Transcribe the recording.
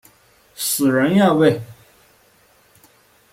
死人呀喂！